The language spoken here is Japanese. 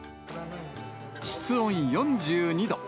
室温４２度。